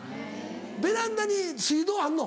ベランダに水道あんの？